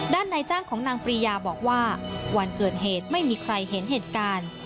ในจ้างของนางปรียาบอกว่าวันเกิดเหตุไม่มีใครเห็นเหตุการณ์